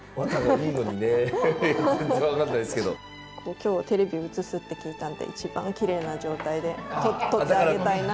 今日テレビ映すって聞いたんで一番キレイな状態で撮ってあげたいなって。